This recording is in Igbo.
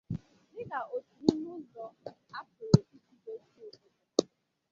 dịka otu n'ime ụzọ a pụrụ isi dozie obodo